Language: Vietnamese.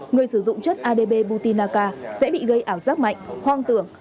người sử dụng chất adp butinaca sẽ bị gây ảo giác mạnh hoang tưởng